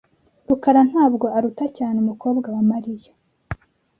rukara ntabwo aruta cyane. umukobwa wa Mariya .